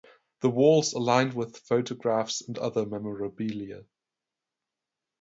The walls are lined with photographs and other memorabilia.